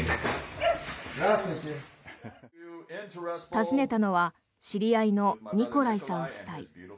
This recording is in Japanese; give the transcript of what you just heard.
訪ねたのは知り合いのニコライさん夫妻。